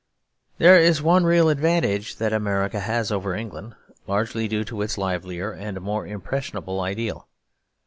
There is one real advantage that America has over England, largely due to its livelier and more impressionable ideal.